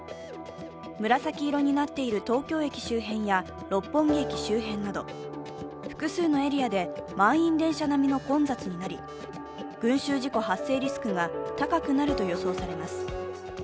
紫色になっている東京駅周辺や六本木駅周辺など複数のエリアで満員電車並みの混雑になり群集事故発生リスクが高くなると予想されます。